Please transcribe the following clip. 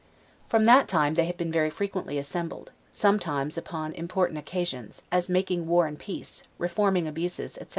From that time they have been very frequently assembled, sometimes upon important occasions, as making war and peace, reforming abuses, etc.